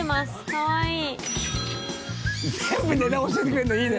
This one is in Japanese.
かわいい。